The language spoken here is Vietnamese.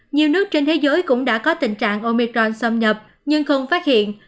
nhiều nước trên thế giới cũng đã có tình trạng omicron xâm nhập nhưng không phát hiện